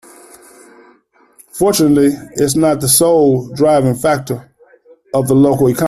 Fortunately its not the sole driving factor of the local economy.